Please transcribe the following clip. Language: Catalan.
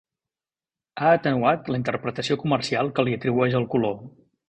Ha atenuat la interpretació comercial que li atribueix el color.